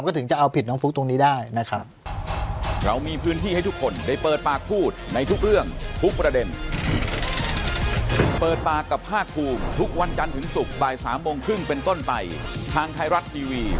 ก็ถึงจะเอาผิดน้องฟุ๊กตรงนี้ได้นะครับ